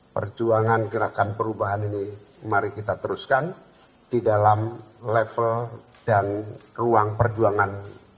perjuangan gerakan perubahan ini mari kita teruskan di dalam level dan ruang perjuangan